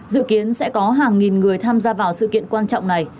dự kiến sẽ có hàng nghìn người tham gia vào sự kiện quan trọng này